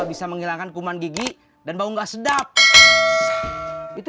bisa menghilangkan kuman gigi dan bau nggak sedap itu